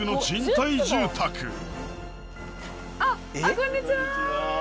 こんにちは！